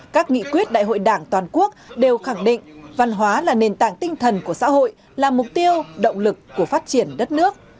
các nghị quyết đại hội đảng toàn quốc đều khẳng định văn hóa là nền tảng tinh thần của xã hội là mục tiêu động lực của phát triển đất nước